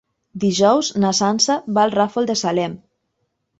Dijous na Sança va al Ràfol de Salem.